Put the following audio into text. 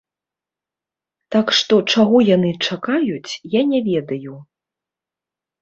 Так што, чаго яны чакаюць, я не ведаю.